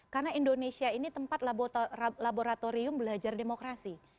karena indonesia ini tempat laboratorium belajar demokrasi